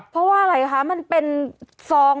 เพราะว่าอะไรคะมันเป็นซอง